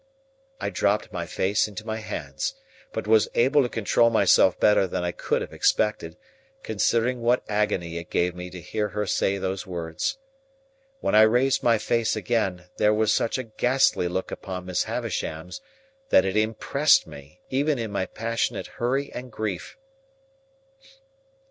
I dropped my face into my hands, but was able to control myself better than I could have expected, considering what agony it gave me to hear her say those words. When I raised my face again, there was such a ghastly look upon Miss Havisham's, that it impressed me, even in my passionate hurry and grief.